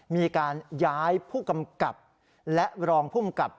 มีการย้ายผู้กำกับและรองภูมิกับ